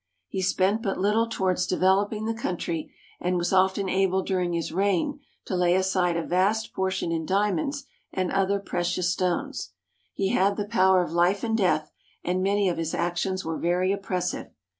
He spent but little to wards developing the country, and was often able during his reign to lay aside a vast portion in diamonds and other precious stones. He had the power of Hfe and death, and many of his actions were very oppressive.